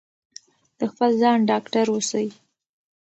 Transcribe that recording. د خپل ځان ډاکټر اوسئ.